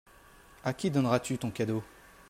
A qui donneras-tu ton cadeau ?